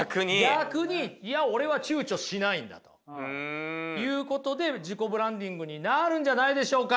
逆にいや俺は躊躇しないんだということで自己ブランディングになるんじゃないでしょうか？